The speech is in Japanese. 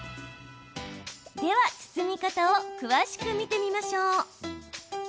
では、包み方を詳しく見てみましょう。